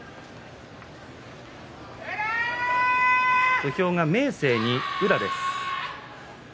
土俵が、明生に宇良です。